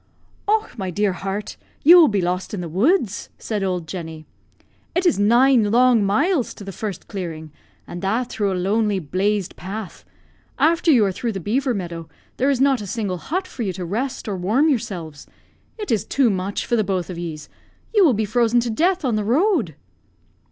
"Och, my dear heart, you will be lost in the woods!" said old Jenny. "It is nine long miles to the first clearing, and that through a lonely, blazed path. After you are through the beaver meadow, there is not a single hut for you to rest or warm yourselves. It is too much for the both of yees; you will be frozen to death on the road."